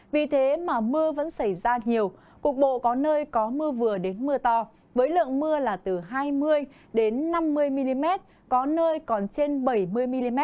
vì thế mà mưa vẫn xảy ra nhiều cục bộ có nơi có mưa vừa đến mưa to với lượng mưa là từ hai mươi năm mươi mm có nơi còn trên bảy mươi mm